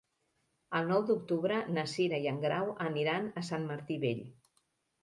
El nou d'octubre na Cira i en Grau aniran a Sant Martí Vell.